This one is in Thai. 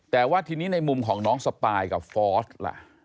แต่ว่าทีนี้ในมุมของน้องสปายกับฟอสล่ะ